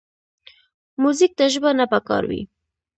موزیک ته ژبه نه پکار وي.